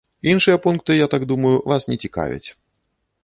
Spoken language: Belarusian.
Іншыя пункты, я так думаю, вас не цікавяць.